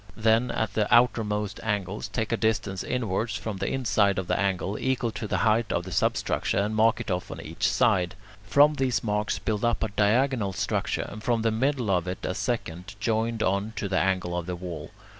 Then at the outermost angles take a distance inwards, from the inside of the angle, equal to the height of the substructure, and mark it off on each side; from these marks build up a diagonal structure and from the middle of it a second, joined on to the angle of the wall.